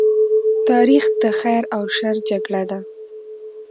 تاریخ د خیر او شر جګړه ده.